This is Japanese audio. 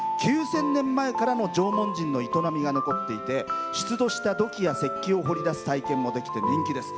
９０００年前からの縄文人の営みが残っていて出土した土器や石器を掘り出す体験もできて人気です。